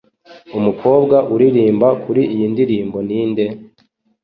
Umukobwa uririmba kuri iyi ndirimbo ninde?